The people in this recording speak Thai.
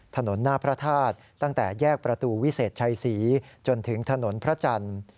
ถนนหน้าพระธาตุตั้งแต่แยกประตูวิเศษชัยศรีจนถึงถนนพระจันทร์